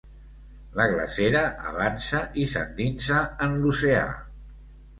La glacera avança i s'endinsa en l'oceà.